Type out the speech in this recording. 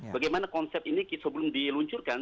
bagaimana konsep ini sebelum diluncurkan